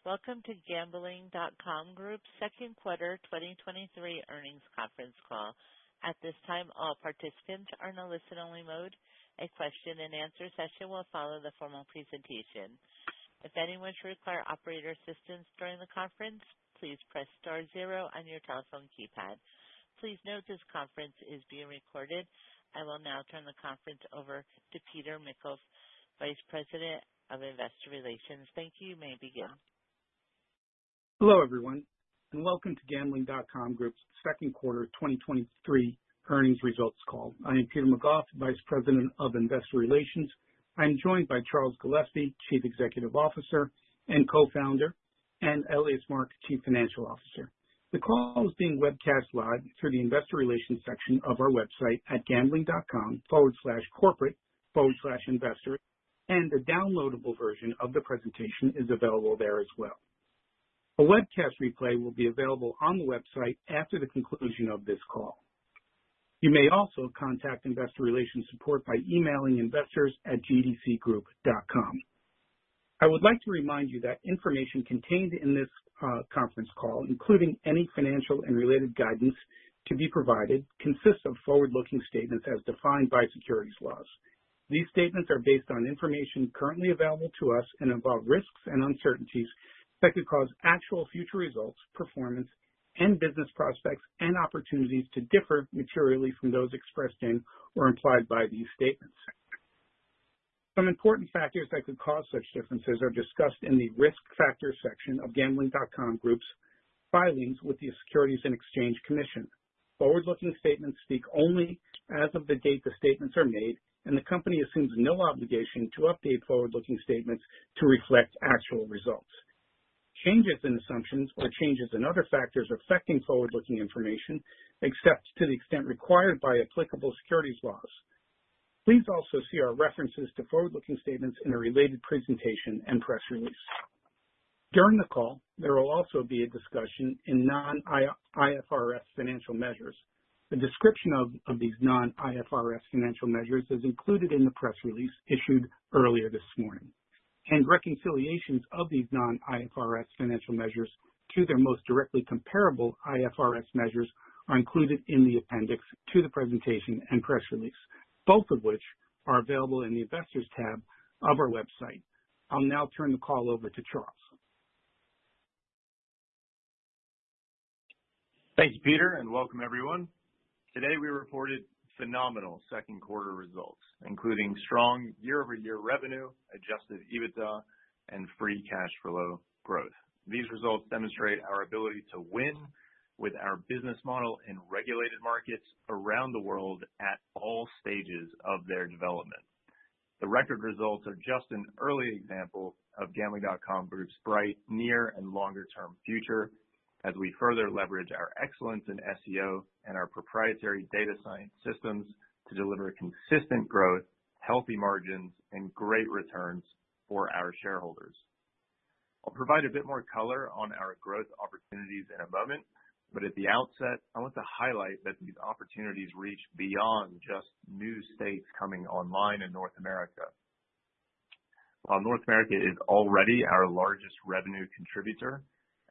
Welcome to Gambling.com Group's Second Quarter 2023 Earnings Conference Call. At this time, all participants are in a listen-only mode. A question-and-answer session will follow the formal presentation. If anyone should require operator assistance during the conference, please press star zero on your telephone keypad. Please note this conference is being recorded. I will now turn the conference over to Peter McGough, Vice President of Investor Relations. Thank you. You may begin. Hello, everyone, and welcome to Gambling.com Group's Second Quarter 2023 Earnings Results Call. I am Peter McGough, Vice President of Investor Relations. I'm joined by Charles Gillespie, Chief Executive Officer and Co-founder, and Elias Mark, Chief Financial Officer. The call is being webcast live through the Investor Relations section of our website at gambling.com/corporate/investors, and a downloadable version of the presentation is available there as well. A webcast replay will be available on the website after the conclusion of this call. You may also contact Investor Relations support by emailing investors@gdcgroup.com. I would like to remind you that information contained in this conference call, including any financial and related guidance to be provided, consists of forward-looking statements as defined by securities laws. These statements are based on information currently available to us and involve risks and uncertainties that could cause actual future results, performance, and business prospects and opportunities to differ materially from those expressed in or implied by these statements. Some important factors that could cause such differences are discussed in the Risk Factors section of Gambling.com Group's filings with the Securities and Exchange Commission. Forward-looking statements speak only as of the date the statements are made, and the company assumes no obligation to update forward-looking statements to reflect actual results. Changes in assumptions or changes in other factors affecting forward-looking information, except to the extent required by applicable securities laws. Please also see our references to forward-looking statements in a related presentation and press release. During the call, there will also be a discussion in non-IFRS financial measures. The description of these non-IFRS financial measures is included in the press release issued earlier this morning. Reconciliations of these non-IFRS financial measures to their most directly comparable IFRS measures are included in the appendix to the presentation and press release, both of which are available in the Investors tab of our website. I'll now turn the call over to Charles. Thank you, Peter. Welcome everyone. Today, we reported phenomenal second quarter results, including strong year-over-year revenue, adjusted EBITDA, and free cash flow growth. These results demonstrate our ability to win with our business model in regulated markets around the world at all stages of their development. The record results are just an early example of Gambling.com Group's bright, near, and longer-term future as we further leverage our excellence in SEO and our proprietary data science systems to deliver consistent growth, healthy margins, and great returns for our shareholders. I'll provide a bit more color on our growth opportunities in a moment. At the outset, I want to highlight that these opportunities reach beyond just new states coming online in North America. While North America is already our largest revenue contributor,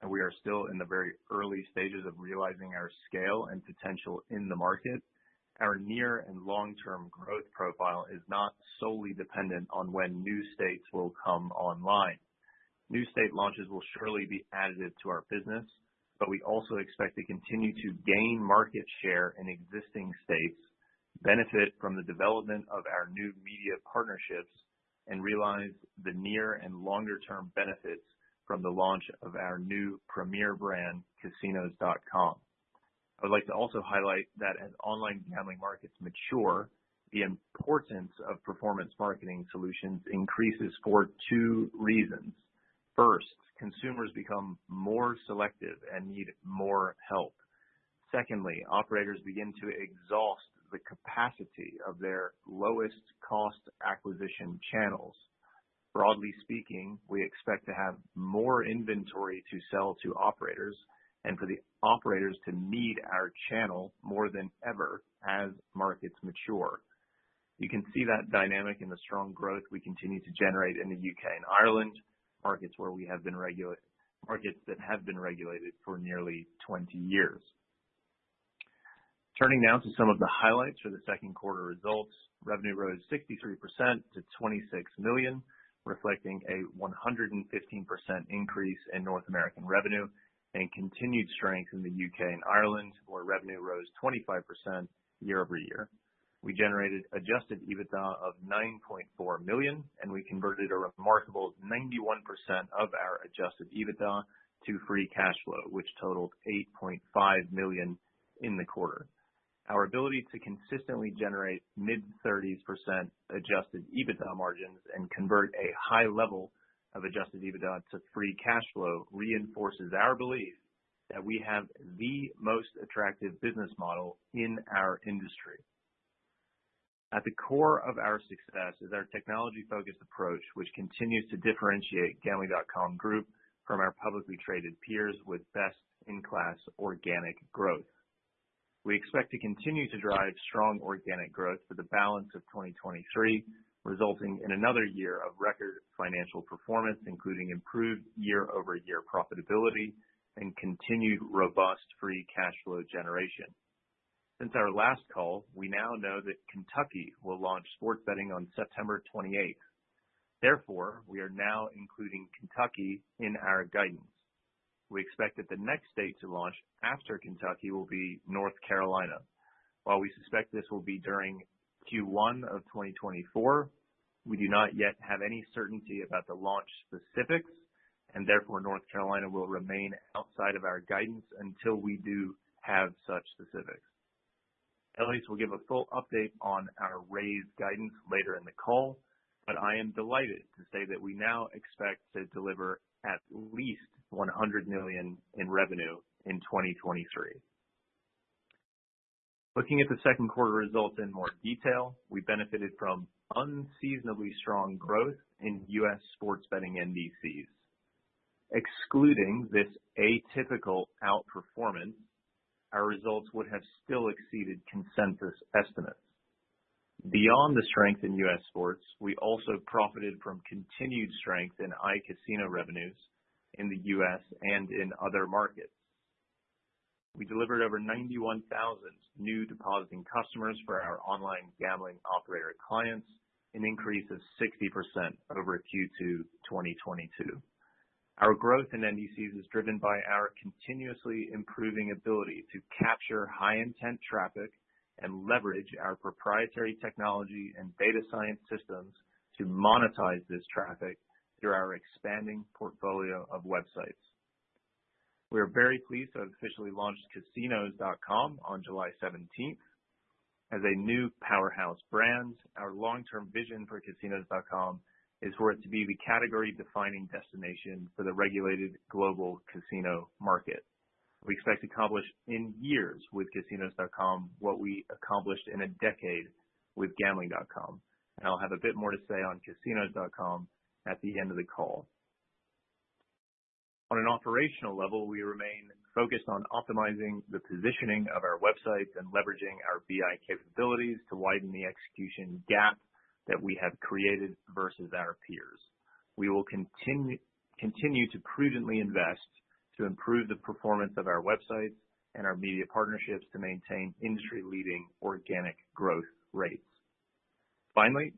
and we are still in the very early stages of realizing our scale and potential in the market, our near and long-term growth profile is not solely dependent on when new states will come online. New state launches will surely be additive to our business, but we also expect to continue to gain market share in existing states, benefit from the development of our new media partnerships, and realize the near and longer-term benefits from the launch of our new premier brand, Casinos.com. I'd like to also highlight that as online gambling markets mature, the importance of performance marketing solutions increases for two reasons. First, consumers become more selective and need more help. Secondly, operators begin to exhaust the capacity of their lowest cost acquisition channels. Broadly speaking, we expect to have more inventory to sell to operators and for the operators to need our channel more than ever as markets mature. You can see that dynamic in the strong growth we continue to generate in the U.K. and Ireland, markets that have been regulated for nearly 20 years. Now to some of the highlights for the second quarter results. Revenue rose 63% to $26 million, reflecting a 115% increase in North American revenue and continued strength in the U.K. and Ireland, where revenue rose 25% year-over-year. We generated adjusted EBITDA of $9.4 million. We converted a remarkable 91% of our adjusted EBITDA to free cash flow, which totaled $8.5 million in the quarter. Our ability to consistently generate mid-30s% adjusted EBITDA margins and convert a high level of adjusted EBITDA to free cash flow reinforces our belief that we have the most attractive business model in our industry. At the core of our success is our technology-focused approach, which continues to differentiate Gambling.com Group from our publicly traded peers with best-in-class organic growth. We expect to continue to drive strong organic growth for the balance of 2023, resulting in another year of record financial performance, including improved year-over-year profitability and continued robust free cash flow generation. Since our last call, we now know that Kentucky will launch sports betting on September 28th. Therefore, we are now including Kentucky in our guidance. We expect that the next state to launch after Kentucky will be North Carolina. While we suspect this will be during Q1 of 2024, we do not yet have any certainty about the launch specifics, and therefore North Carolina will remain outside of our guidance until we do have such specifics. Elias will give a full update on our raised guidance later in the call, I am delighted to say that we now expect to deliver at least $100 million in revenue in 2023. Looking at the second quarter results in more detail, we benefited from unseasonably strong growth in U.S. sports betting NDCs. Excluding this atypical outperformance, our results would have still exceeded consensus estimates. Beyond the strength in U.S. sports, we also profited from continued strength in iCasino revenues in the U.S. and in other markets. We delivered over 91,000 new depositing customers for our online gambling operator clients, an increase of 60% over Q2 2022. Our growth in NDCs is driven by our continuously improving ability to capture high intent traffic and leverage our proprietary technology and data science systems to monetize this traffic through our expanding portfolio of websites. We are very pleased to have officially launched Casinos.com on July 17th. As a new powerhouse brand, our long-term vision for Casinos.com is for it to be the category-defining destination for the regulated global casino market. We expect to accomplish in years with Casinos.com, what we accomplished in a decade with Gambling.com, and I'll have a bit more to say on Casinos.com at the end of the call. On an operational level, we remain focused on optimizing the positioning of our websites and leveraging our BI capabilities to widen the execution gap that we have created versus our peers. We will continue to prudently invest to improve the performance of our websites and our media partnerships to maintain industry-leading organic growth rates. Finally,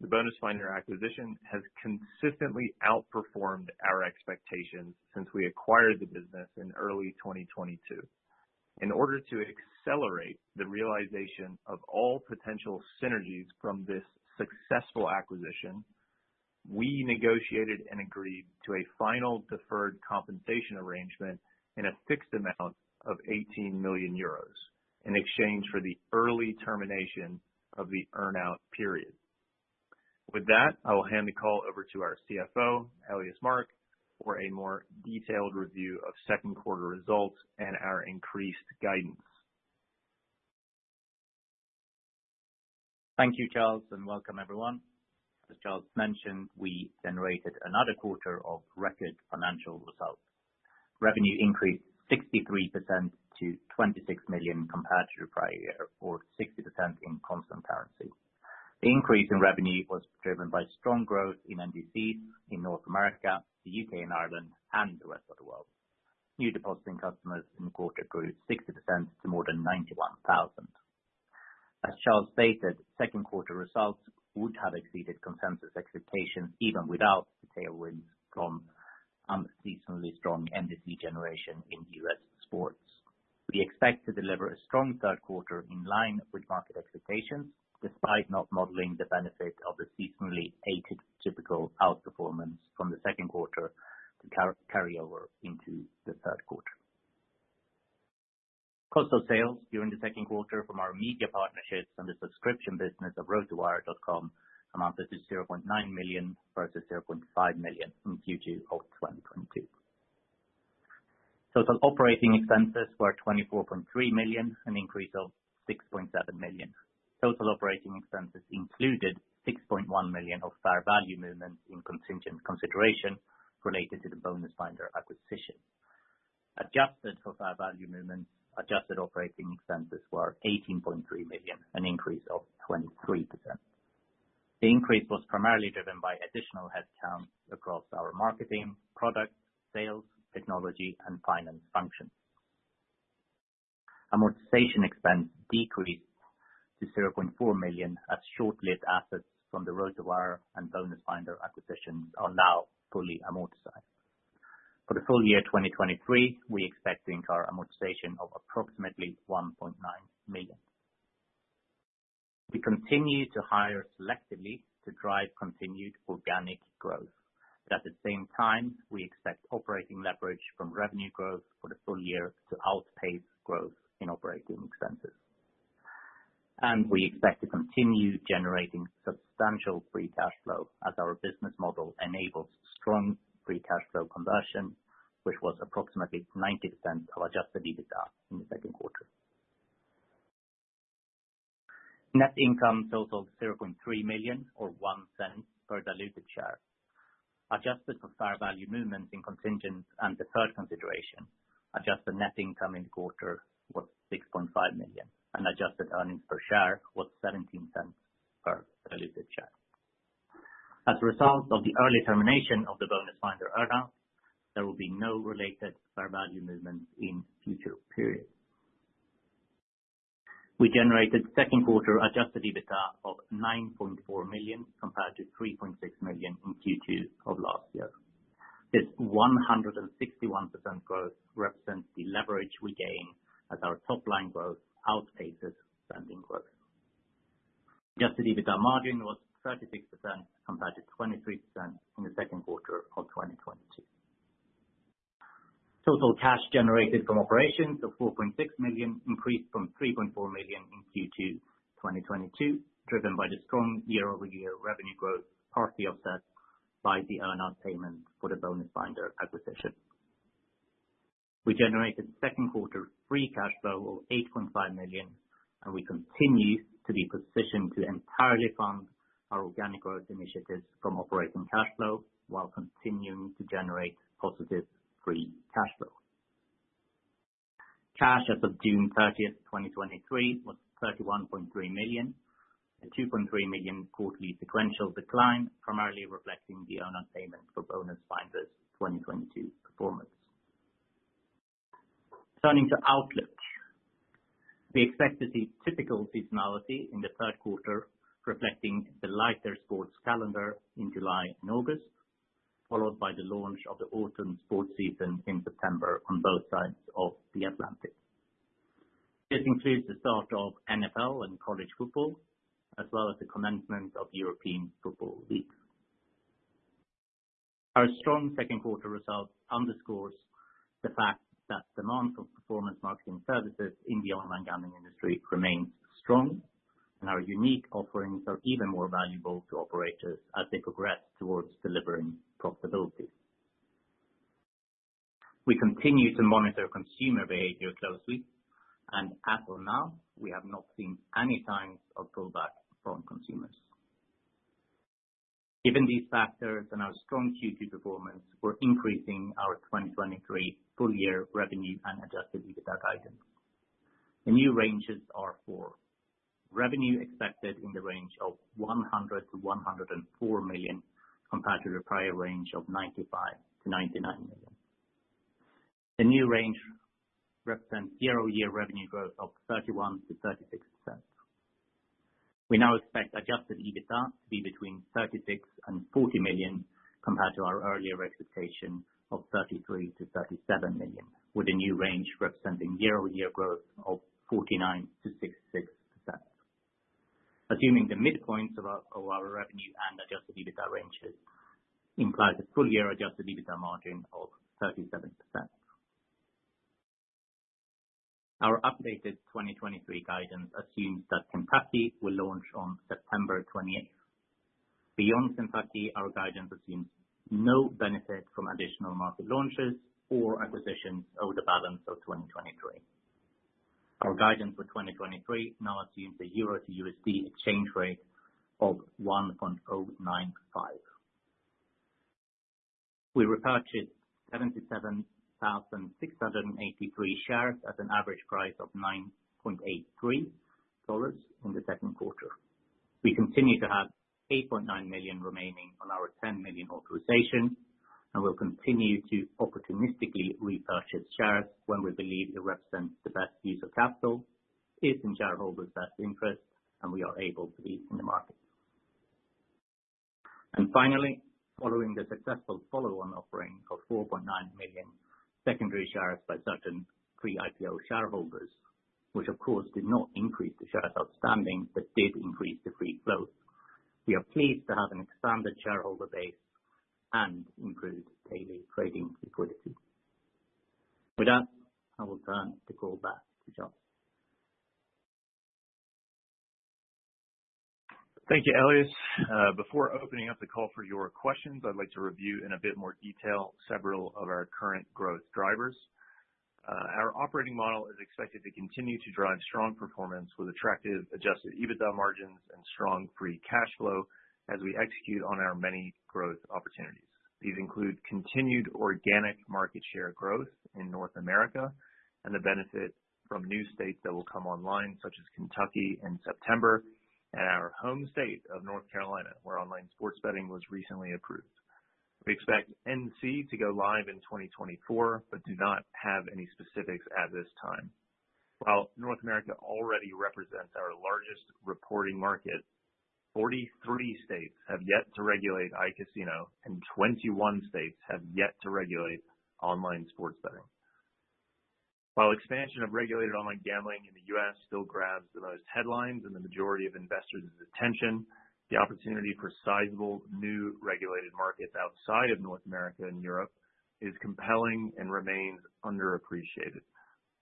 the BonusFinder acquisition has consistently outperformed our expectations since we acquired the business in early 2022. In order to accelerate the realization of all potential synergies from this successful acquisition, we negotiated and agreed to a final deferred compensation arrangement in a fixed amount of 18 million euros, in exchange for the early termination of the earn-out period. With that, I will hand the call over to our CFO Elias Mark, for a more detailed review of second quarter results and our increased guidance. Thank you, Charles. Welcome, everyone. As Charles mentioned, we generated another quarter of record financial results. Revenue increased 63% to $26 million compared to the prior year, or 60% in constant currency. The increase in revenue was driven by strong growth in NDC in North America, the U.K. and Ireland, and the rest of the world. New depositing customers in the quarter grew 60% to more than 91,000. As Charles stated, second quarter results would have exceeded consensus expectations, even without the tailwind from unseasonably strong NDC generation in U.S. sports. We expect to deliver a strong third quarter in line with market expectations, despite not modeling the benefit of the seasonally atypical outperformance from the second quarter to carry over into the third quarter. Cost of sales during the second quarter from our media partnerships and the subscription business of RotoWire.com amounted to $0.9 million, versus $0.5 million in Q2 of 2022. Total operating expenses were $24.3 million, an increase of $6.7 million. Total operating expenses included $6.1 million of fair value movements in contingent consideration related to the BonusFinder acquisition. Adjusted for fair value movements, adjusted operating expenses were $18.3 million, an increase of 23%. The increase was primarily driven by additional headcount across our marketing, product, sales, technology, and finance functions. Amortization expense decreased to $0.4 million, as short-lived assets from the RotoWire and BonusFinder acquisitions are now fully amortized. For the full year 2023, we expect to incur amortization of approximately $1.9 million. We continue to hire selectively to drive continued organic growth. At the same time, we expect operating leverage from revenue growth for the full year to outpace growth in operating expenses. We expect to continue generating substantial free cash flow as our business model enables strong free cash flow conversion, which was approximately 90% of adjusted EBITDA in the second quarter. Net income totaled $0.3 million or $0.01 per diluted share. Adjusted for fair value movement in contingent and deferred consideration, adjusted net income in the quarter was $6.5 million, and adjusted earnings per share was $0.17 per diluted share. As a result of the early termination of the BonusFinder earn-out, there will be no related fair value movement in future periods. We generated second quarter adjusted EBITDA of $9.4 million, compared to $3.6 million in Q2 of last year. This 161% growth represents the leverage we gain as our top line growth outpaces spending growth. Adjusted EBITDA margin was 36%, compared to 23% in the second quarter of 2022. Total cash generated from operations of $4.6 million, increased from $3.4 million in Q2 2022, driven by the strong year-over-year revenue growth, partly offset by the earn out payment for the BonusFinder acquisition. We generated second quarter free cash flow of $8.5 million, and we continue to be positioned to entirely fund our organic growth initiatives from operating cash flow while continuing to generate positive free cash flow. Cash as of June 30th, 2023, was $31.3 million, a $2.3 million quarterly sequential decline, primarily reflecting the earn out payment for BonusFinder's 2022 performance. Turning to outlook. We expect to see typical seasonality in the third quarter, reflecting the lighter sports calendar in July and August, followed by the launch of the autumn sports season in September on both sides of the Atlantic. This includes the start of NFL and college football, as well as the commencement of European football league. Our strong second quarter results underscores the fact that demand for performance marketing services in the online gambling industry remains strong, and our unique offerings are even more valuable to operators as they progress towards delivering profitability. We continue to monitor consumer behavior closely, and as of now, we have not seen any signs of pullback from consumers. Given these factors and our strong Q2 performance, we're increasing our 2023 full year revenue and adjusted EBITDA guidance. The new ranges are for: revenue expected in the range of $100 million-$104 million, compared to the prior range of $95 million-$99 million. The new range represents year-over-year revenue growth of 31%-36%. We now expect adjusted EBITDA to be between $36 million and $40 million, compared to our earlier expectation of $33 million-$37 million, with a new range representing year-over-year growth of 49%-66%. Assuming the midpoint of our revenue and adjusted EBITDA ranges implies a full year adjusted EBITDA margin of 37%. Our updated 2023 guidance assumes that Kentucky will launch on September 20th. Beyond Kentucky, our guidance assumes no benefit from additional market launches or acquisitions over the balance of 2023. Our guidance for 2023 now assumes a euro to USD exchange rate of 1.095. We repurchased 77,683 shares at an average price of $9.83 in the second quarter. We continue to have $8.9 million remaining on our $10 million authorization, and we'll continue to opportunistically repurchase shares when we believe it represents the best use of capital, is in shareholders' best interest, and we are able to lease in the market. Finally, following the successful follow-on offering of 4.9 million secondary shares by certain pre-IPO shareholders, which of course did not increase the shares outstanding, but did increase the free float. We are pleased to have an expanded shareholder base and improved daily trading liquidity. With that, I will turn the call back to Charles. Thank you, Elias. Before opening up the call for your questions, I'd like to review in a bit more detail several of our current growth drivers. Our operating model is expected to continue to drive strong performance with attractive adjusted EBITDA margins and strong free cash flow as we execute on our many growth opportunities. These include continued organic market share growth in North America and the benefit from new states that will come online, such as Kentucky in September, and our home state of North Carolina, where online sports betting was recently approved. We expect NC to go live in 2024, but do not have any specifics at this time. While North America already represents our largest reporting market, 43 states have yet to regulate iCasino, and 21 states have yet to regulate online sports betting. While expansion of regulated online gambling in the U.S. still grabs the most headlines and the majority of investors' attention, the opportunity for sizable new regulated markets outside of North America and Europe is compelling and remains underappreciated.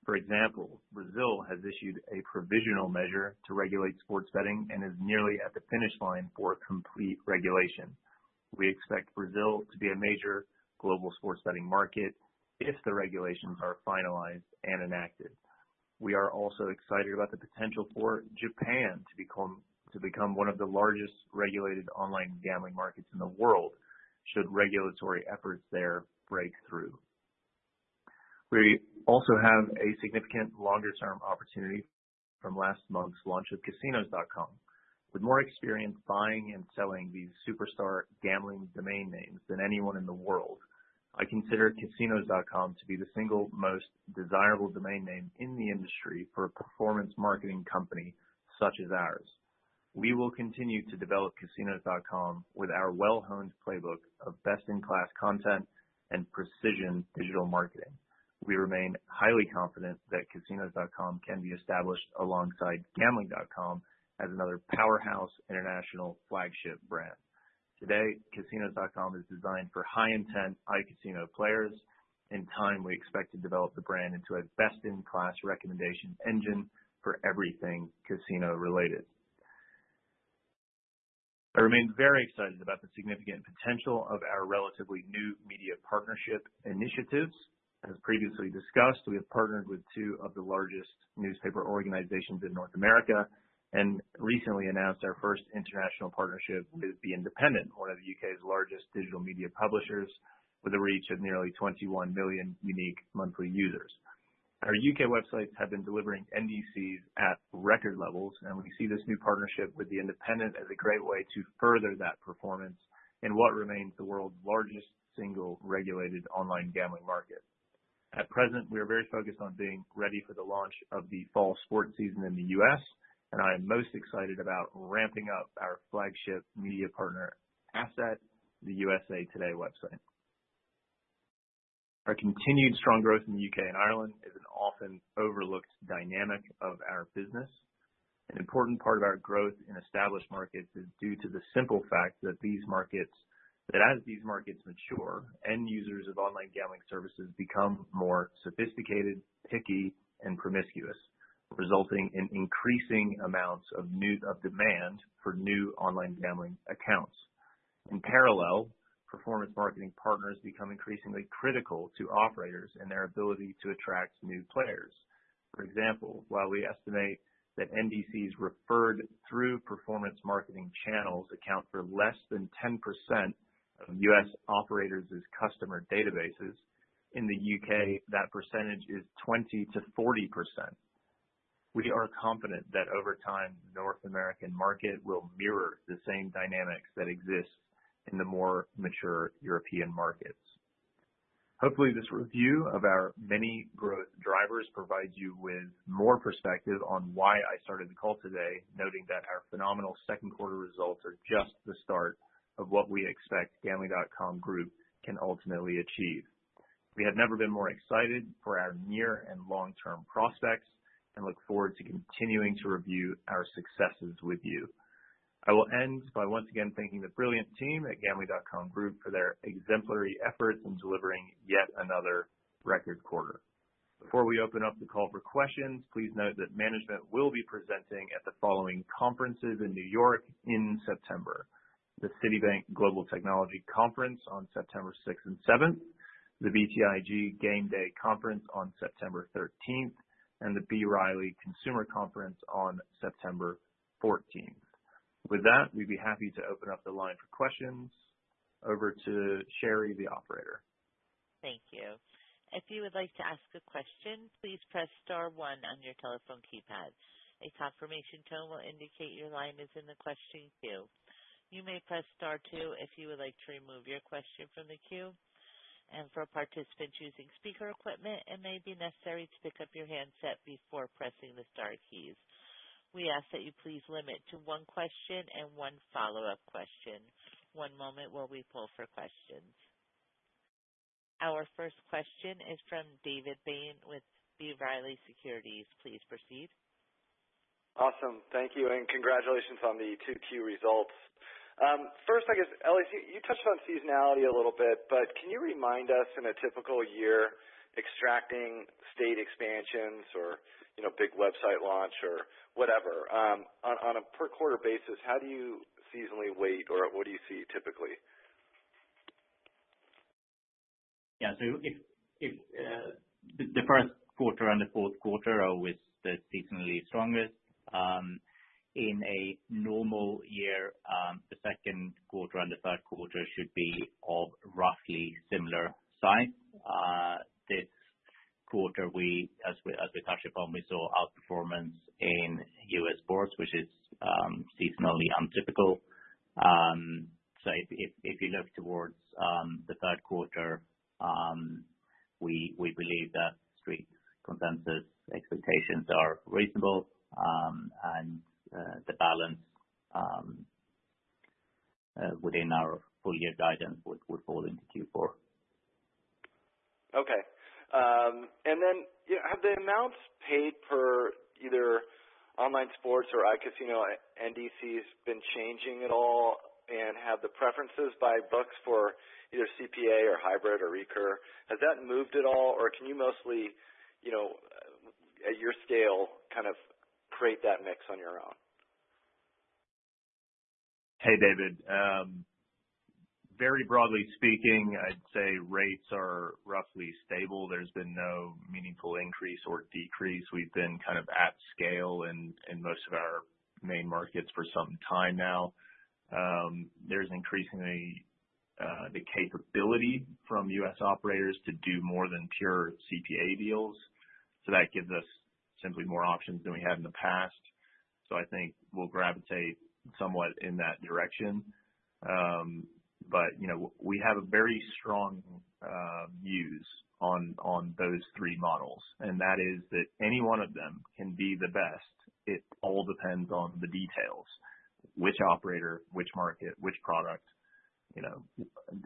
For example, Brazil has issued a provisional measure to regulate sports betting and is nearly at the finish line for complete regulation....We expect Brazil to be a major global sports betting market if the regulations are finalized and enacted. We are also excited about the potential for Japan to become one of the largest regulated online gambling markets in the world, should regulatory efforts there break through. We also have a significant longer term opportunity from last month's launch of Casinos.com. With more experience buying and selling these superstar gambling domain names than anyone in the world, I consider Casinos.com to be the single most desirable domain name in the industry for a performance marketing company such as ours. We will continue to develop Casinos.com with our well-honed playbook of best-in-class content and precision digital marketing. We remain highly confident that Casinos.com can be established alongside Gambling.com as another powerhouse international flagship brand. Today, Casinos.com is designed for high intent iCasino players. In time, we expect to develop the brand into a best-in-class recommendation engine for everything casino related. I remain very excited about the significant potential of our relatively new media partnership initiatives. As previously discussed, we have partnered with two of the largest newspaper organizations in North America. Recently announced our first international partnership with The Independent, one of U.K.'s largest digital media publishers, with a reach of nearly 21 million unique monthly users. Our U.K. websites have been delivering NDCs at record levels. We see this new partnership with The Independent as a great way to further that performance in what remains the world's largest single regulated online gambling market. At present, we are very focused on being ready for the launch of the fall sports season in the U.S. I am most excited about ramping up our flagship media partner asset, the USA Today website. Our continued strong growth in the U.K. and Ireland is an often overlooked dynamic of our business. An important part of our growth in established markets is due to the simple fact that these markets -- that as these markets mature, end users of online gambling services become more sophisticated, picky, and promiscuous, resulting in increasing amounts of new, of demand for new online gambling accounts. In parallel, performance marketing partners become increasingly critical to operators and their ability to attract new players. For example, while we estimate that NDCs referred through performance marketing channels account for less than 10% of U.S. operators' customer databases, in the U.K., that percentage is 20%-40%. We are confident that over time, the North American market will mirror the same dynamics that exist in the more mature European markets. Hopefully, this review of our many growth drivers provides you with more perspective on why I started the call today, noting that our phenomenal second quarter results are just the start of what we expect Gambling.com Group can ultimately achieve. We have never been more excited for our near and long-term prospects, and look forward to continuing to review our successes with you. I will end by once again thanking the brilliant team at Gambling.com Group for their exemplary efforts in delivering yet another record quarter. Before we open up the call for questions, please note that management will be presenting at the following conferences in New York in September: the Citi Global Technology Conference on September 6th and 7th, the BTIG GameDay Conference on September 13th, and the B Riley Consumer Conference on September 14th. With that, we'd be happy to open up the line for questions. Over to Sherry, the operator. Thank you. If you would like to ask a question, please press star one on your telephone keypad. A confirmation tone will indicate your line is in the question queue. You may press star two if you would like to remove your question from the queue. For participants using speaker equipment, it may be necessary to pick up your handset before pressing the star keys. We ask that you please limit to one question and one follow-up question. One moment while we pull for questions. Our first question is from David Bain, with B Riley Securities. Please proceed. Awesome. Thank you, and congratulations on the 2Q results. First, I guess, Elias, you touched on seasonality a little bit, but can you remind us, in a typical year, extracting state expansions or, you know, big website launch or whatever, on a per quarter basis, how do you seasonally weight or what do you see typically? Yeah, if, if the first quarter and the fourth quarter are always the seasonally strongest, in a normal year, the second quarter and the third quarter should be of roughly similar size. This quarter we, as we, as we touched upon, we saw outperformance in U.S. sports, which is seasonally untypical. If, if, if you look towards the third quarter, we, we believe that Street consensus expectations are reasonable, and the balance within our full year guidance would, would fall into Q4. Okay. Then, yeah, have the amounts paid for either online sports or iCasino NDCs been changing at all, and have the preferences by books for either CPA or hybrid or recur, has that moved at all, or can you mostly, you know? at your scale, kind of create that mix on your own? Hey, David. Very broadly speaking, I'd say rates are roughly stable. There's been no meaningful increase or decrease. We've been kind of at scale in, in most of our main markets for some time now. There's increasingly the capability from U.S. operators to do more than pure CPA deals, so that gives us simply more options than we had in the past. I think we'll gravitate somewhat in that direction. You know, we have a very strong views on, on those three models, and that is that any one of them can be the best. It all depends on the details. Which operator, which market, which product, you know,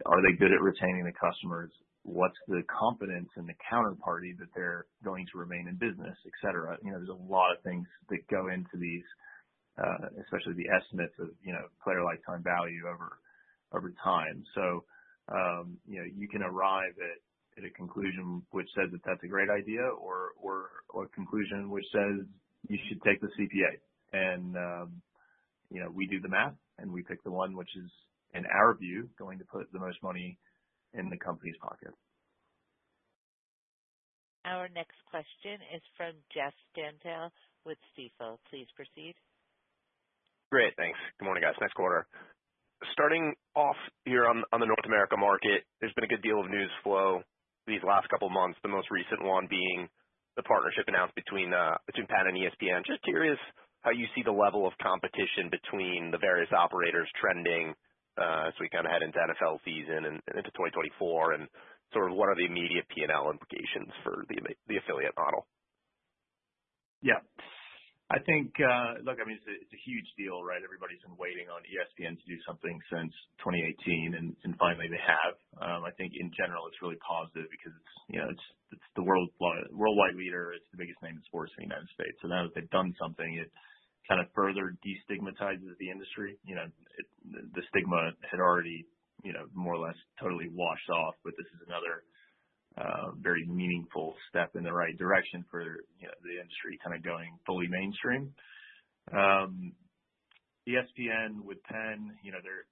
are they good at retaining the customers? What's the confidence in the counterparty that they're going to remain in business, et cetera? You know, there's a lot of things that go into these, especially the estimates of, you know, player lifetime value over, over time. You know, you can arrive at, at a conclusion which says that that's a great idea or, or, or a conclusion which says you should take the CPA. You know, we do the math, and we pick the one, which is, in our view, going to put the most money in the company's pocket. Our next question is from Jeff Stantial with Stifel. Please proceed. Great. Thanks. Good morning, guys. Nice quarter. Starting off here on, on the North America market, there's been a good deal of news flow these last couple of months, the most recent one being the partnership announced between, between Penn and ESPN. Just curious how you see the level of competition between the various operators trending, as we kind of head into NFL season and into 2024, and sort of what are the immediate P&L implications for the affiliate model? Yeah. I think, look, I mean, it's a, it's a huge deal, right? Everybody's been waiting on ESPN to do something since 2018, finally they have. I think in general, it's really positive because, you know, it's, it's the worldwide leader. It's the biggest name in sports in the United States. Now that they've done something, it kind of further destigmatizes the industry. You know, it, the stigma had already, you know, more or less totally washed off, but this is another very meaningful step in the right direction for, you know, the industry kind of going fully mainstream. ESPN with Penn, you know, they're,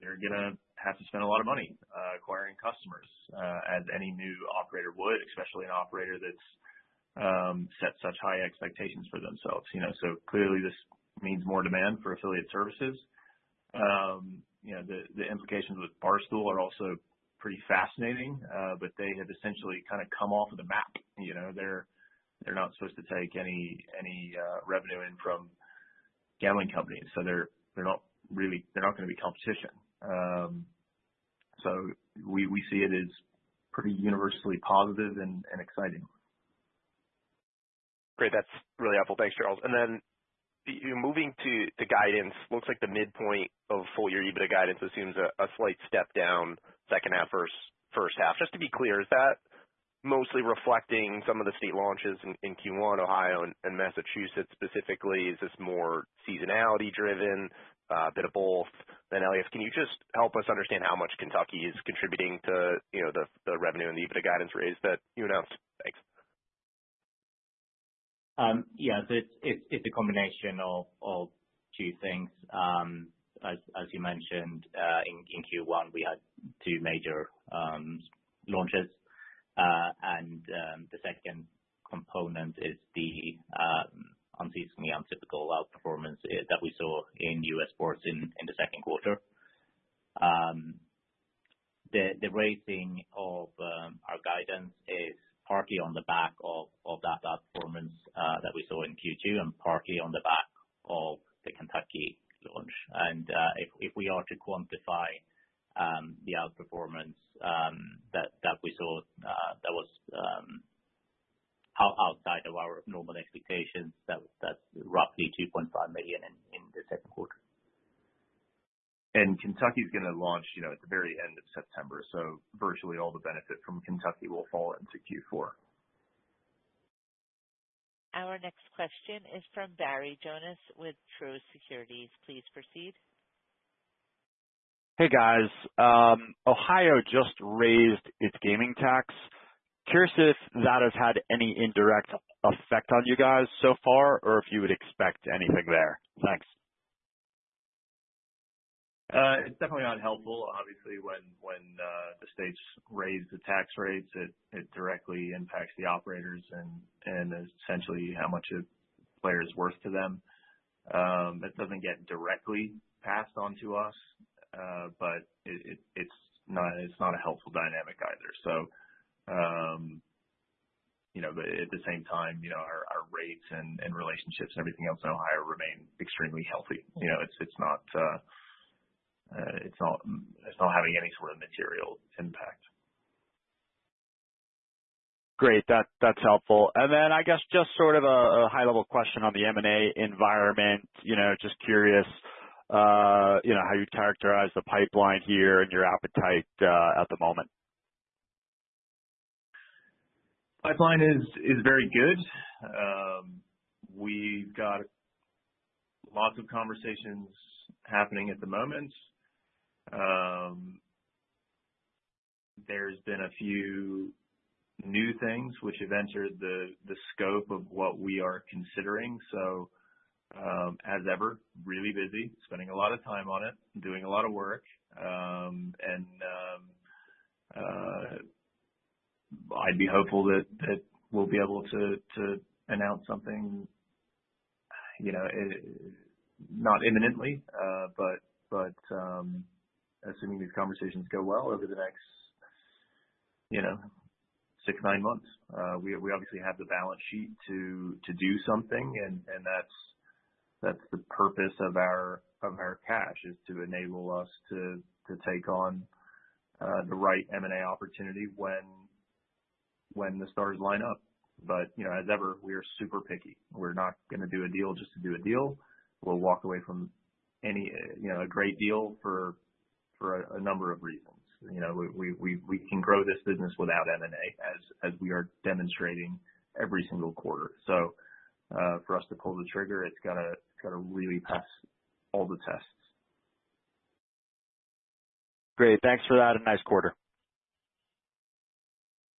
they're gonna have to spend a lot of money, acquiring customers, as any new operator would, especially an operator that's set such high expectations for themselves, you know. Clearly this means more demand for affiliate services. You know, the, the implications with Barstool are also pretty fascinating, but they have essentially kind of come off of the map. You know, they're, they're not supposed to take any, any revenue in from gambling companies, so they're not really, they're not gonna be competition. We, we see it as pretty universally positive and, and exciting. Great. That's really helpful. Thanks, Charles. Then moving to guidance, looks like the midpoint of full year EBITDA guidance assumes a slight step down second half versus first half. Just to be clear, is that mostly reflecting some of the state launches in Q1, Ohio and Massachusetts specifically? Is this more seasonality driven, a bit of both? Elias, can you just help us understand how much Kentucky is contributing to, you know, the revenue and the EBITDA guidance raise that you announced? Thanks. Yeah, it's, it's, it's a combination of two things. As, as you mentioned, in Q1, we had two major launches. The second component is the unseasonably atypical outperformance that we saw in U.S. sports in the second quarter. The raising of our guidance is partly on the back of that outperformance that we saw in Q2 and partly on the back of the Kentucky launch. If, if we are to quantify the outperformance that, that we saw, that was out- outside of our normal expectations, that, that's roughly $2.5 million in the second quarter. Kentucky is gonna launch, you know, at the very end of September, so virtually all the benefit from Kentucky will fall into Q4. Our next question is from Barry Jonas with Truist Securities. Please proceed. Hey, guys. Ohio just raised its gaming tax. Curious if that has had any indirect effect on you guys so far or if you would expect anything there. Thanks. It's definitely not helpful. Obviously, when, when the states raise the tax rates, it, it directly impacts the operators and, and essentially how much a player is worth to them. It doesn't get directly passed on to us, but it's not a helpful dynamic either. You know, but at the same time, you know, our, our rates and, and relationships and everything else in Ohio remain extremely healthy. You know it's not having any sort of material impact. Great. That, that's helpful. Then, I guess, just sort of a, a high-level question on the M&A environment. You know, just curious, you know, how you characterize the pipeline here and your appetite, at the moment. Pipeline is, is very good. We've got lots of conversations happening at the moment. There's been a few new things which have entered the, the scope of what we are considering. As ever, really busy, spending a lot of time on it and doing a lot of work. I'd be hopeful that, that we'll be able to, to announce something, you know, not imminently, but, assuming these conversations go well over the next, you know, six, nine months. We, we obviously have the balance sheet to, to do something, and, and that's, that's the purpose of our cash, is to enable us to take on, the right M&A opportunity when, when the stars line up. You know, as ever, we are super picky. We're not gonna do a deal just to do a deal. We'll walk away from any, you know, a great deal for a number of reasons. You know, we can grow this business without M&A, as we are demonstrating every single quarter. For us to pull the trigger, it's gotta really pass all the tests. Great. Thanks for that, and nice quarter.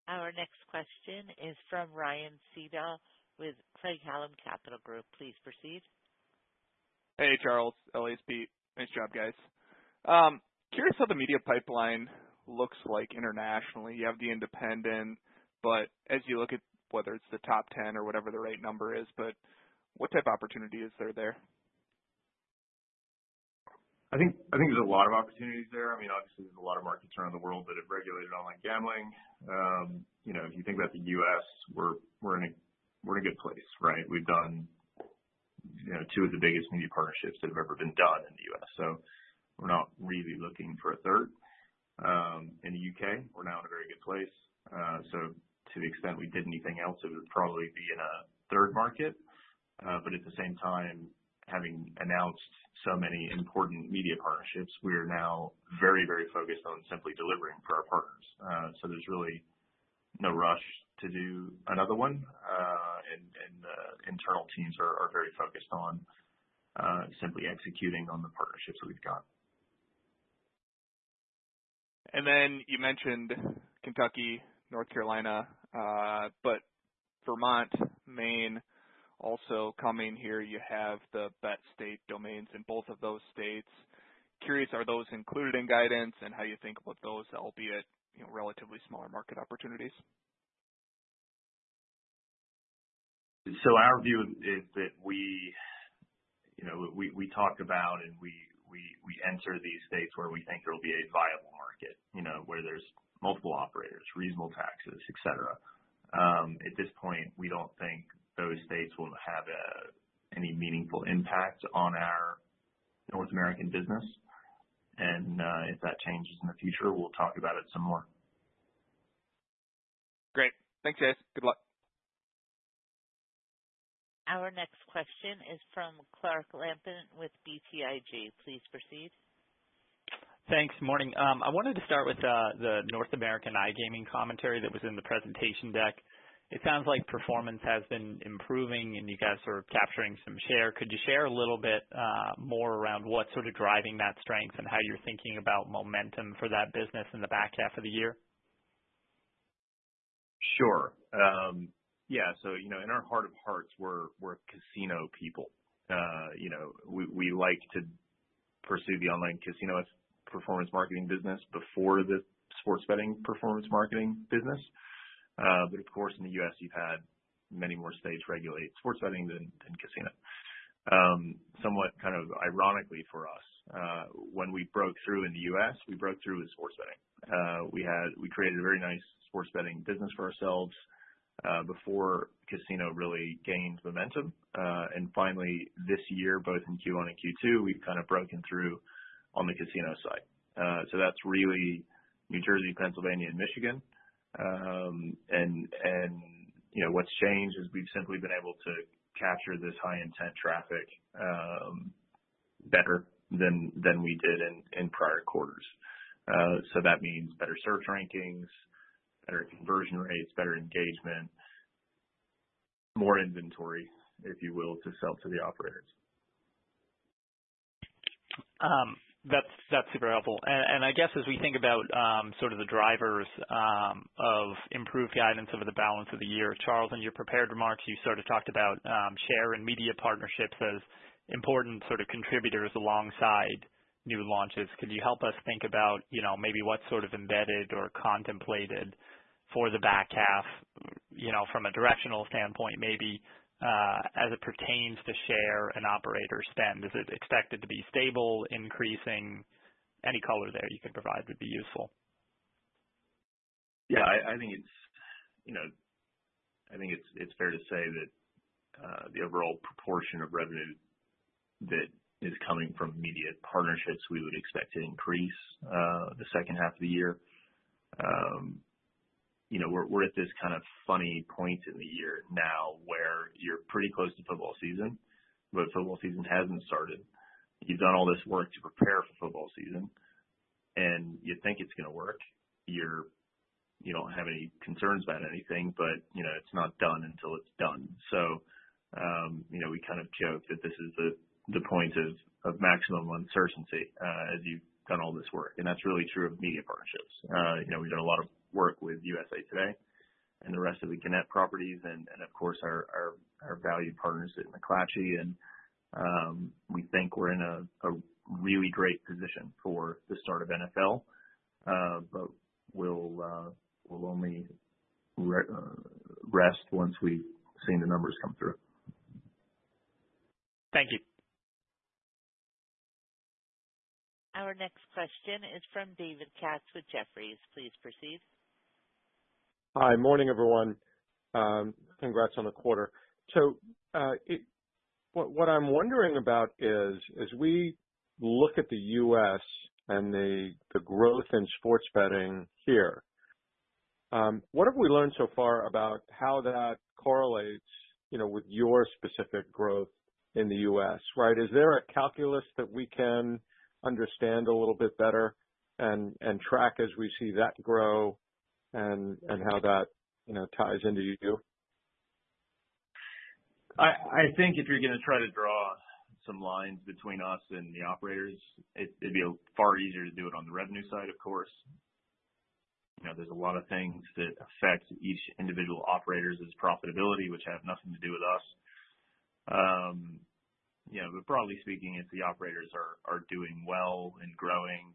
Our next question is from Ryan Sigdahl, with Craig-Hallum Capital Group. Please proceed. Hey, Charles. Nice job, guys. Curious how the media pipeline looks like internationally. You have The Independent, but as you look at whether it's the top 10 or whatever the right number is, but what type of opportunities are there? I think, I think there's a lot of opportunities there. I mean, obviously there's a lot of markets around the world that have regulated online gambling. You know, if you think about the U.S., we're, we're in a, we're in a good place, right? We've done, you know, two of the biggest media partnerships that have ever been done in the U.S., so we're not really looking for a third. In the U.K., we're now in a very good place. To the extent we did anything else, it would probably be in a third market. At the same time, having announced so many important media partnerships, we are now very, very focused on simply delivering for our partners. There's really no rush to do another one. And the internal teams are, are very focused on, simply executing on the partnerships we've got. You mentioned Kentucky, North Carolina, Vermont, Maine, also coming here, you have the bet state domains in both of those states. Curious, are those included in guidance, and how you think about those, albeit, you know, relatively smaller market opportunities? Our view is, is that we, you know, we, we talked about and we, we, we enter these states where we think there will be a viable market, you know, where there's multiple operators, reasonable taxes, et cetera. At this point, we don't think those states will have any meaningful impact on our North American business, and if that changes in the future, we'll talk about it some more. Great. Thanks, guys. Good luck. Our next question is from Clark Lampen, with BTIG. Please proceed. Thanks. Morning. I wanted to start with the North American iGaming commentary that was in the presentation deck. It sounds like performance has been improving and you guys are capturing some share. Could you share a little bit more around what's sort of driving that strength and how you're thinking about momentum for that business in the back half of the year? Sure. Yeah, so, you know, in our heart of hearts, we're, we're casino people. You know, we, we like to pursue the online casino as performance marketing business before the sports betting performance marketing business. Of course, in the U.S., you've had many more states regulate sports betting than, than casino. Somewhat kind of ironically for us, when we broke through in the U.S., we broke through with sports betting. We created a very nice sports betting business for ourselves, before casino really gained momentum. Finally, this year, both in Q1 and Q2, we've kind of broken through on the casino side. That's really New Jersey, Pennsylvania, and Michigan. You know, what's changed is we've simply been able to capture this high-intent traffic, better than, than we did in, in prior quarters. That means better search rankings, better conversion rates, better engagement, more inventory, if you will, to sell to the operators. That's, that's super helpful. I guess as we think about, sort of the drivers, of improved guidance over the balance of the year, Charles, in your prepared remarks, you sort of talked about, share and media partnerships as important sort of contributors alongside new launches. Could you help us think about, you know, maybe what's sort of embedded or contemplated for the back half, you know, from a directional standpoint, maybe, as it pertains to share and operator spend? Is it expected to be stable, increasing? Any color there you can provide would be useful. Yeah, I think it's, you know, I think it's, it's fair to say that, the overall proportion of revenue that is coming from media partnerships, we would expect to increase, the second half of the year. You know, we're, we're at this kind of funny point in the year now, where you're pretty close to football season, but football season hasn't started. You've done all this work to prepare for football season, and you think it's gonna work. We don't have any concerns about anything, but, you know, it's not done until it's done. You know, we kind of joke that this is the, the point of, of maximum uncertainty, as you've done all this work, and that's really true of media partnerships. You know, we've done a lot of work with USA Today and the rest of the Gannett properties and, of course, our, our, our valued partners at McClatchy. We think we're in a really great position for the start of NFL. We'll, we'll only re- rest once we've seen the numbers come through. Thank you. Our next question is from David Katz with Jefferies. Please proceed. Hi, morning, everyone. Congrats on the quarter. What I'm wondering about is, as we look at the U.S. and the growth in sports betting here, what have we learned so far about how that correlates, you know, with your specific growth in the U.S., right? Is there a calculus that we can understand a little bit better and track as we see that grow and how that, you know, ties into you? I, I think if you're gonna try to draw some lines between us and the operators, it, it'd be far easier to do it on the revenue side, of course. You know, there's a lot of things that affect each individual operators' profitability, which have nothing to do with us. You know, broadly speaking, if the operators are, are doing well and growing,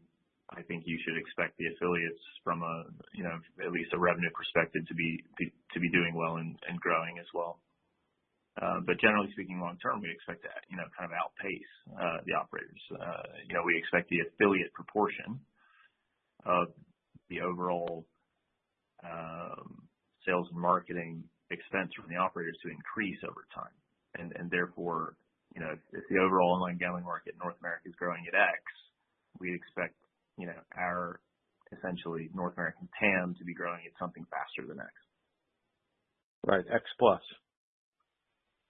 I think you should expect the affiliates from a, you know, at least a revenue perspective, to be, to be doing well and, and growing as well. Generally speaking, long term, we expect to, you know, kind of outpace the operators. You know, we expect the affiliate proportion of the overall sales and marketing expense from the operators to increase over time. Therefore, you know, if the overall online gambling market in North America is growing at X, we expect, you know, our essentially North American TAM to be growing at something faster than X. Right. X plus.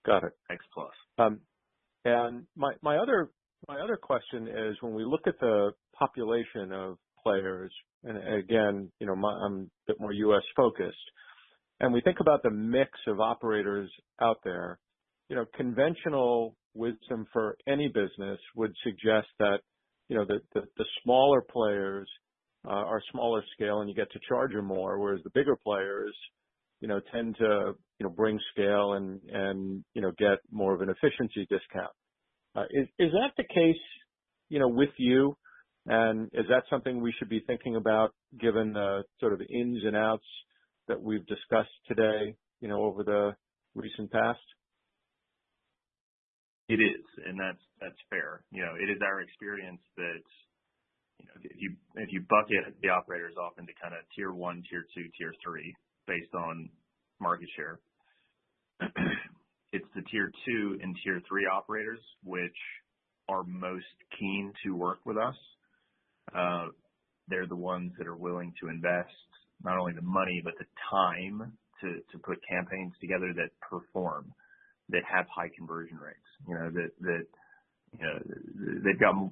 Got it. X plus. My, my other, my other question is, when we look at the population of players, and again, you know, my- I'm a bit more U.S. focused. We think about the mix of operators out there, you know, conventional wisdom for any business would suggest that, you know, that the, the smaller players, are smaller scale and you get to charge them more, whereas the bigger players, you know, tend to, you know, bring scale and, and, you know, get more of an efficiency discount. Is, is that the case, you know, with you? Is that something we should be thinking about given the sort of ins and outs that we've discussed today, you know, over the recent past? It is, and that's, that's fair. You know, it is our experience that, you know, if you, if you bucket the operators off into kind of tier one, tier two, tier three based on market share, it's the tier two and tier three operators, which are most keen to work with us. They're the ones that are willing to invest, not only the money, but the time to, to put campaigns together that perform, that have high conversion rates. You know, that, that, you know, they've got more,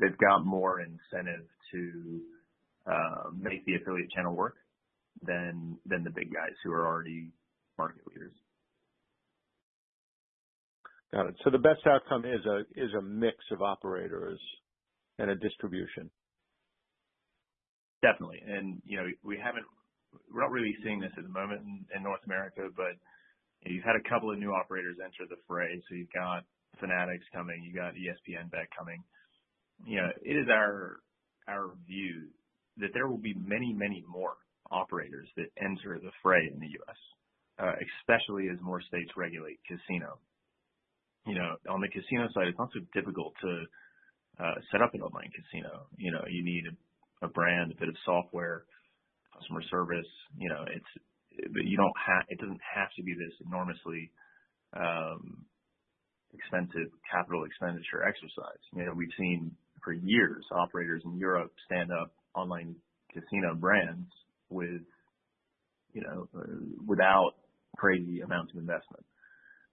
they've got more incentive to make the affiliate channel work than, than the big guys who are already market leaders. Got it. The best outcome is a, is a mix of operators and a distribution? Definitely. You know, we're not really seeing this at the moment in, in North America, but you've had a couple of new operators enter the fray, so you've got Fanatics coming, you've got ESPN Bet coming. You know, it is our, our view that there will be many, many more operators that enter the fray in the U.S., especially as more states regulate casino. You know, on the casino side, it's not so difficult to set up an online casino. You know, you need a brand, a bit of software, customer service, you know, but it doesn't have to be this enormously expensive capital expenditure exercise. You know, we've seen for years, operators in Europe stand up online casino brands with, you know, without crazy amounts of investment,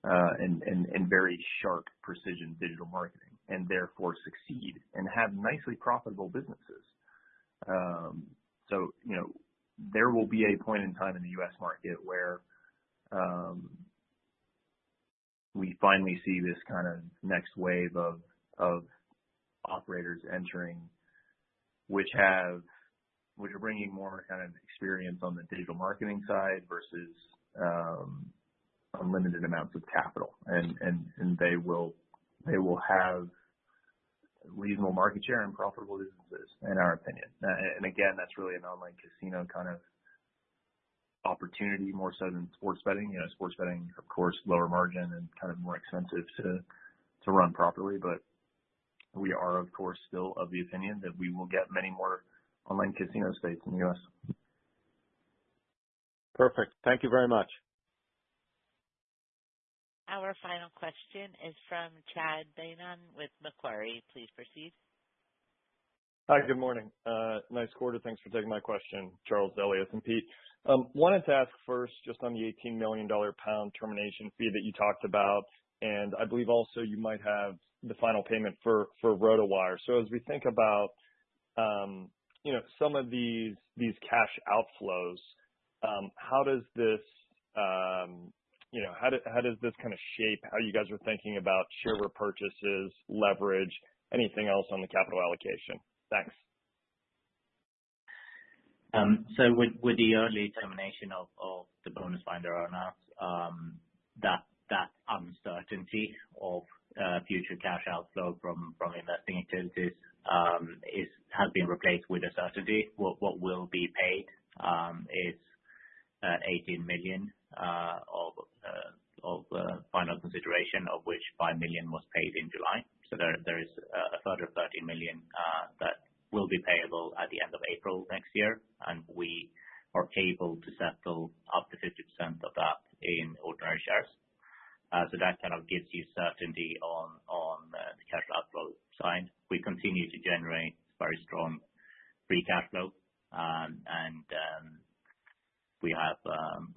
and, and, and very sharp precision digital marketing, and therefore succeed and have nicely profitable businesses. You know, there will be a point in time in the U.S. market where, we finally see this kind of next wave of operators entering, which have, which are bringing more kind of experience on the digital marketing side versus, unlimited amounts of capital. They will, they will have reasonable market share and profitable businesses, in our opinion. Again, that's really an online casino kind of opportunity more so than sports betting. You know, sports betting, of course, lower margin and kind of more expensive to run properly. We are, of course, still of the opinion that we will get many more online casino states in the U.S. Perfect. Thank you very much. Our final question is from Chad Beynon with Macquarie. Please proceed. Hi, good morning. Nice quarter. Thanks for taking my question, Charles, Elias and Peter. Wanted to ask first, just on the 18 million pound termination fee that you talked about, and I believe also you might have the final payment for RotoWire. As we think about, you know, some of these cash outflows, how does this, you know, how does this kind of shape how you guys are thinking about share repurchases, leverage, anything else on the capital allocation? Thanks. So with, with the early termination of, of the BonusFinder earn-outr, that, that uncertainty of future cash outflow from, from investing activities, is, has been replaced with a certainty. What, what will be paid is $18 million of final consideration, of which $5 million was paid in July. There, there is a further $13 million that will be payable at the end of April next year, and we are able to settle up to 50% of that in ordinary shares. So that kind of gives you certainty on, on the cash outflow side. We continue to generate very strong free cash flow. We have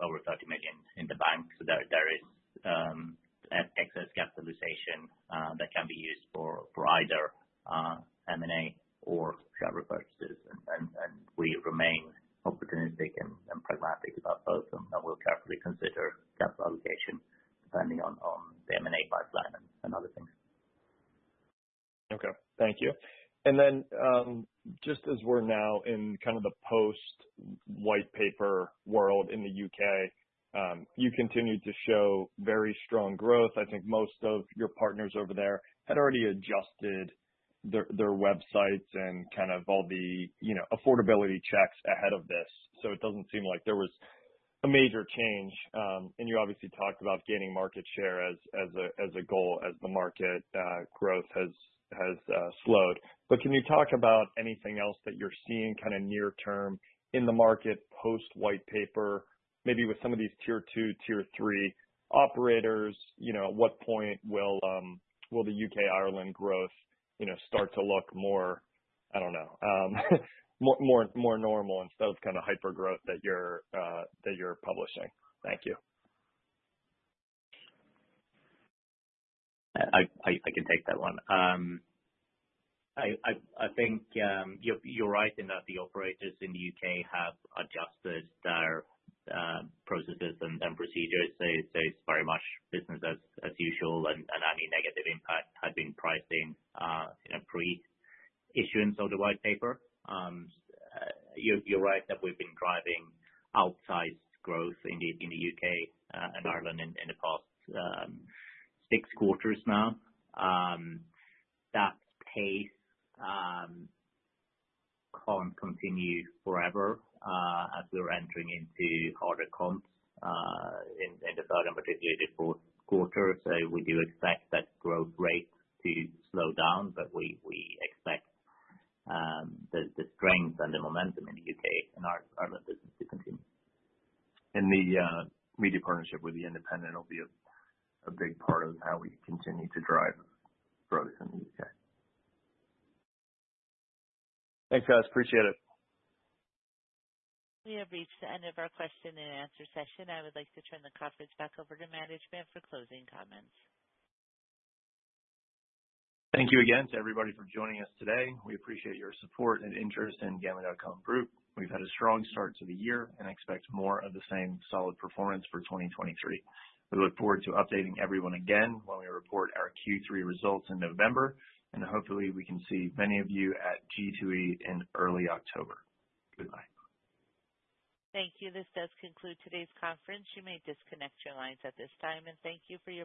over $30 million in the bank, so there, there is excess capitalization that can be used for, for either M&A or share repurchases. We remain opportunistic and pragmatic about both of them, and we'll carefully consider capital allocation depending on, on the M&A pipeline and other things. Okay. Thank you. Then, just as we're now in kind of the post-White Paper world in the U.K., you continued to show very strong growth. I think most of your partners over there had already adjusted their, their websites and kind of all the, you know, affordability checks ahead of this, so it doesn't seem like there was a major change. You obviously talked about gaining market share as, as a, as a goal, as the market growth has, has slowed. Can you talk about anything else that you're seeing kind of near term in the market, post-White Paper? Maybe with some of these tier two, tier three operators, you know, at what point will, will the U.K., Ireland growth, you know, start to look more, I don't know, more, more normal instead of kind of hyper growth that you're, that you're publishing? Thank you. I can take that one. I think you're right in that the operators in the U.K. have adjusted their processes and procedures, so it's very much business as usual, and any negative impact has been priced in in a pre-issuance of the white paper. You're right that we've been driving outsized growth in the U.K. and Ireland in the past six quarters now. That pace can't continue forever as we're entering into harder comps in the third and particularly the fourth quarter. We do expect that growth rate to slow down, but we expect the strength and the momentum in the U.K. and Ireland business to continue. The media partnership with The Independent will be a big part of how we continue to drive growth in the U.K. Thanks, guys. Appreciate it. We have reached the end of our question-and-answer session. I would like to turn the conference back over to management for closing comments. Thank you again to everybody for joining us today. We appreciate your support and interest in Gambling.com Group. We've had a strong start to the year and expect more of the same solid performance for 2023. We look forward to updating everyone again when we report our Q3 results in November. Hopefully, we can see many of you at G2E in early October. Goodbye. Thank you. This does conclude today's conference. You may disconnect your lines at this time, and thank you for your participation.